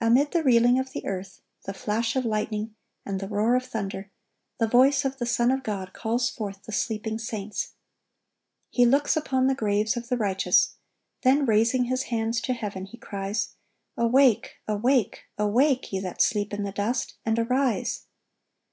(1115) Amid the reeling of the earth, the flash of lightning, and the roar of thunder, the voice of the Son of God calls forth the sleeping saints. He looks upon the graves of the righteous, then raising His hands to heaven He cries, "Awake, awake, awake, ye that sleep in the dust, and arise!"